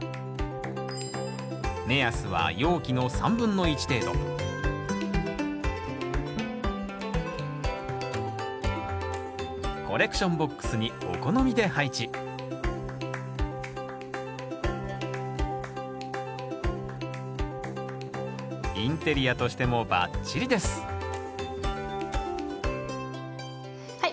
目安は容器の３分の１程度コレクションボックスにお好みで配置インテリアとしてもバッチリですはい。